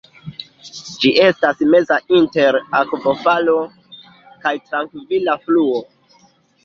Ĝi estas meza inter akvofalo kaj trankvila fluo.